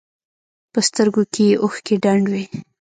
په سترګو کښې يې اوښکې ډنډ وې.